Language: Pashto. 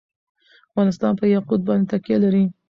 افغانستان په یاقوت باندې تکیه لري.